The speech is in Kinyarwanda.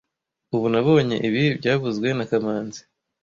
Ubu nabonye ibi byavuzwe na kamanzi